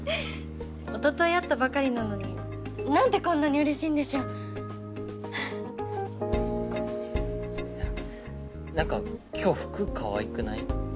おととい会ったばかりなのになんでこんなにうれしいんでしょうなんか今日服かわいくない？